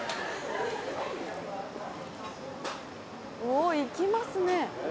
お行きますね！